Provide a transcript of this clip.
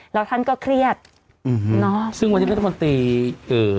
แล้วท่านก็เครียดอืมเนอะซึ่งวันนี้รัฐมนตรีเอ่อ